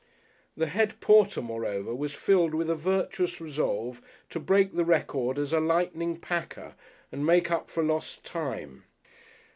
The head porter, moreover, was filled with a virtuous resolve to break the record as a lightning packer and make up for lost time.